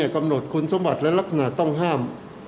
กำหนดคุณสมบัติและลักษณะต้องห้าม